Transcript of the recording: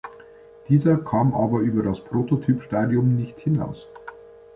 Dieser kam aber über das Prototyp-Stadium nicht hinaus.